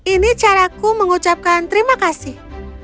ini caraku mengucapkan terima kasih